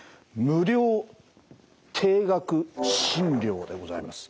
無料低額診療でございます。